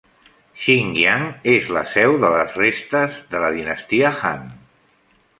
Xingyang es la seu dels restes de la dinastia Han.